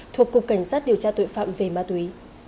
thuộc cục cảnh sát điều tra tội phạm về ma túy